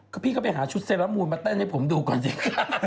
ก็พี่ก็ไปหาชุฆแสลล่ะหมูนมาแต้นให้ผมดูก่อนสิค่ะ